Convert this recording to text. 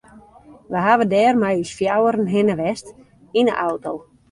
We hawwe dêr mei ús fjouweren hinne west yn de auto.